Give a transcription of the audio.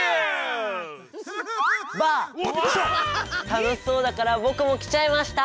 たのしそうだからぼくもきちゃいました！